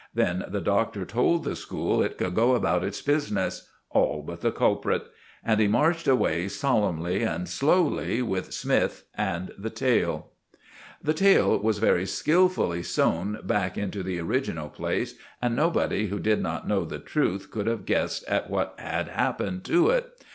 Then the Doctor told the school it could go about its business—all but the culprit; and he marched away solemnly and slowly with Smythe and the tail. The tail was very skilfully sewn back into its original place, and nobody who did not know the truth could have guessed at what had happened to it.